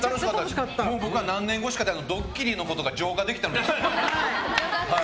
僕は何年越しかでドッキリのことが浄化できたので。